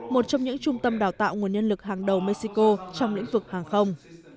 một trong những trung tâm đào tạo nguồn nhân lực hàng đầu mexico trong lĩnh vực hàng không